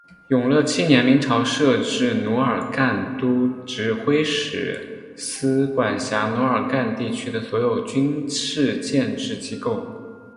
永乐七年明朝设置奴儿干都指挥使司管辖奴儿干地区的所有军事建制机构。